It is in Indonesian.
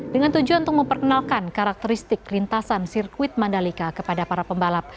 dengan tujuan untuk memperkenalkan karakteristik lintasan sirkuit mandalika kepada para pembalap